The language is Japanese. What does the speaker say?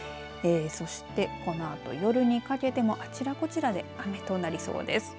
そしてこのあと夜にかけてもあちらこちらで雨となりそうです。